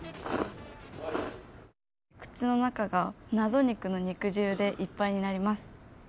口の中が謎肉の肉汁でいっぱいになります。